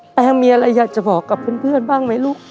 แปงมีอะไรอยากจะบอกกับเพื่อนบ้างไหมลูก